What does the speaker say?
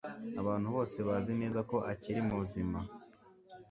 Abantu bose bazi neza ko akiri muzima.